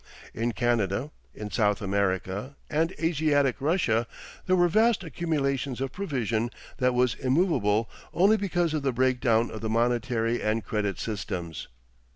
In Canada, in South America, and Asiatic Russia there were vast accumulations of provision that was immovable only because of the breakdown of the monetary and credit systems.